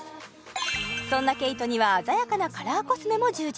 そんなＫＡＴＥには鮮やかなカラーコスメも充実